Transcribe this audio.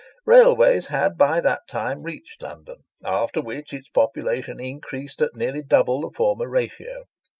Railways had by that time reached London, after which its population increased at nearly double the former ratio.